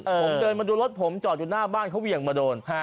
ผมเดินมาดูรถผมจอดอยู่หน้าบ้านเขาเหวี่ยงมาโดน